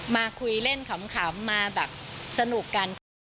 มาคุยเล่นขำมาแบบสนุกกันค่ะ